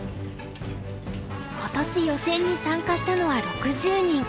今年予選に参加したのは６０人。